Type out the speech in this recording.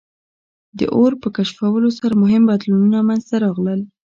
د اور په کشفولو سره مهم بدلونونه منځ ته راغلل.